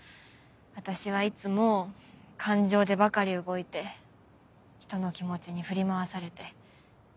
私はいつも感情でばかり動いて人の気持ちに振り回されて。